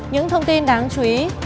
những thông tin đáng chú ý